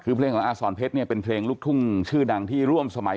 คือเพลงของอาสอนเพชรเนี่ยเป็นเพลงลูกทุ่งชื่อดังที่ร่วมสมัย